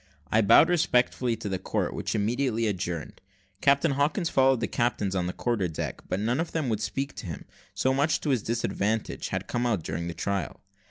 I bowed respectfully to the court, which immediately adjourned. Captain Hawkins followed the captains on the quarter deck, but none of them would speak to him so much to his disadvantage had come out during the trial.